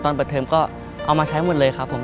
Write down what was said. เปิดเทอมก็เอามาใช้หมดเลยครับผม